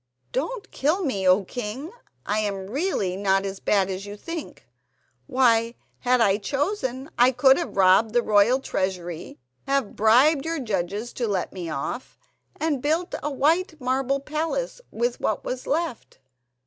"Don't kill me, O king! I am really not as bad as you think. Why, had I chosen, I could have robbed the royal treasury, have bribed your judges to let me off, and built a white marble palace with what was left.